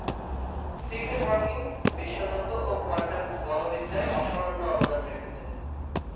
Stephen Hawking, বিশ্বতত্ত্ব ও quantum বলবিদ্যায় অসামান্য অবদান রেখেছেন।